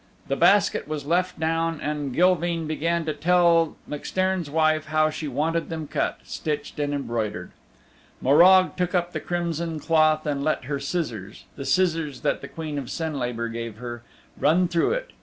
The basket was left down and Gilveen began to tell MacStairn's wife how she wanted them cut, stitched and embroidered. Morag took up the crimson doth and let her scissors the scissors that the Queen of Senlabor gave her run through it.